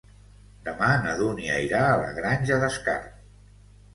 Demà na Dúnia irà a la Granja d'Escarp.